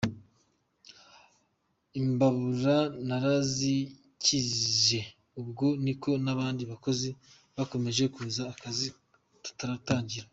Imbabura narazakije ubwo niko n’abandi bakozi bakomeje kuza, akazi turagatangira.